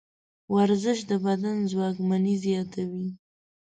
ورزش د بدن ځواکمني زیاتوي.